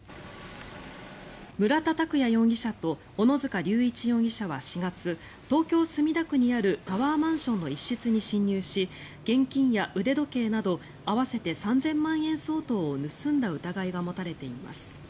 村田拓也容疑者と小野塚隆一容疑者は４月東京・墨田区にあるタワーマンションの一室に侵入し現金や腕時計など合わせて３０００万円相当を盗んだ疑いが持たれています。